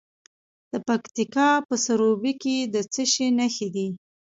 د پکتیکا په سروبي کې د څه شي نښې دي؟